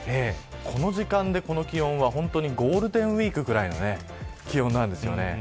この時間で、この気温はゴールデンウイークぐらいの気温なんですよね。